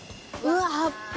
うわっ！